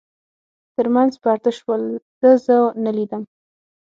تر منځ پرده شول، ده زه نه لیدم.